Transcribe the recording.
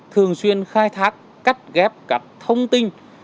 thường xuyên khai thác cắt ghép các thông tin